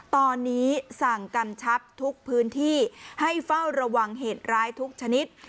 ตอนนี้สั่งกำชับทุกพื้นที่ให้เฝ้าระวังเหตุร้ายทุกชนิด